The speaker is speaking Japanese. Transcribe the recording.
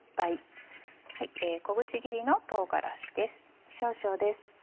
小口切りの唐辛子です。